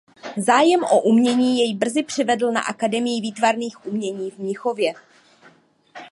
Zájem o umění jej brzy přivedl na akademii výtvarných umění v Mnichově.